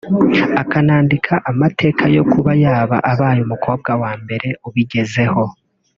akanandika amateka yo kuba yaba abaye umukobwa wa mbere ubigezeho